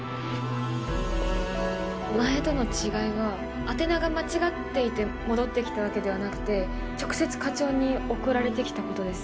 前との違いは宛名が間違っていて戻って来たわけではなくて直接課長に送られて来たことです。